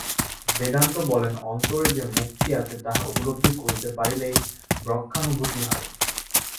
বেদান্ত বলেন, অন্তরে যে মুক্তি আছে, তাহা উপলব্ধি করিতে পারিলেই ব্রহ্মানুভূতি হয়।